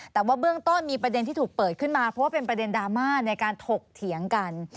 แต่ว่าเบื้องต้นมีประเด็นที่ถูกเปิดขึ้นมาเพราะว่าเป็นประเด็นดราม่าในการถกเถียงกัน